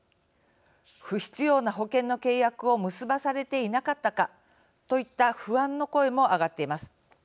不必要な保険の契約を結ばされていなかったか。といった不安の声も上がっています。